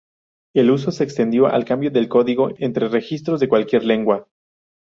El uso se extendió al cambio de código entre registros de cualquier lengua.